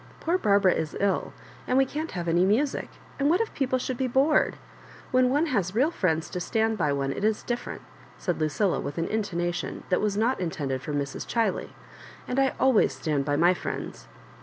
Poor Barbara is ill, and we can't have any music, and what if people should be bored ? Wlien one has real friends to stand by one it is different/' said Lucilla, with an into nation that was not intended for Mrs. Chiley, *• and I alwaya stand by my friends."